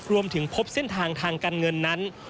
รวมถึงพบเส้นทางทางการเงินนั้น